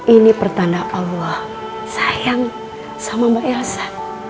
ini pertanda allah sayang sama mbak yasa